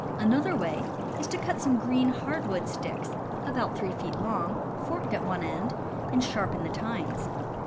Another way is to cut some green hardwood sticks, about three feet long, forked at one end, and sharpen the tines.